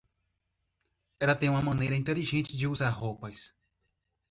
Ela tem uma maneira inteligente de usar roupas.